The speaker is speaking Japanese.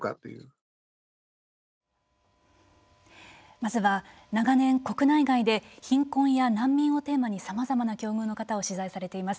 まずは、長年、国内外で貧困や難民をテーマにさまざまな境遇の方を取材されています